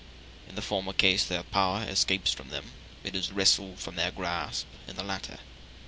In the former case their power escapes from them; it is wrested from their grasp in the latter.